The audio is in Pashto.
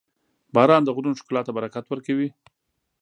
• باران د غرونو ښکلا ته برکت ورکوي.